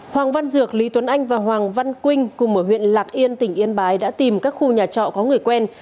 hoàng văn dược lý tuấn anh và hoàng văn quynh cùng ở huyện lạc yên tỉnh yên bái đã tìm các khu nhà trọ có người quen